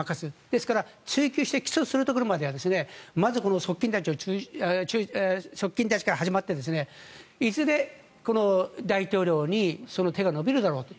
ですから、追及して起訴するところまではまず側近たちから始まっていずれ大統領にその手が伸びるだろうと。